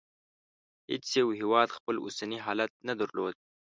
هېڅ یو هېواد خپل اوسنی حالت نه درلود.